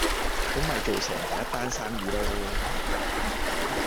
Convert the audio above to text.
咁咪做成第一單生意囉